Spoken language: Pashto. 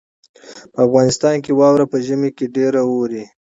په افغانستان کې واوره په ژمي کې ډېره اوري.